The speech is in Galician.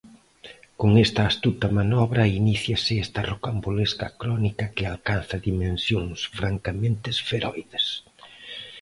Con esta astuta manobra iníciase esta rocambolesca crónica que alcanza dimensións francamente esferoides.